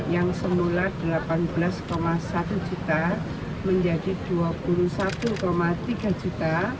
yang semula rp delapan belas satu juta menjadi rp dua puluh satu tiga juta